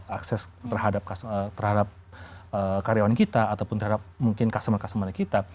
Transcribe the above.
akses terhadap karyawan kita ataupun terhadap mungkin customer customer kita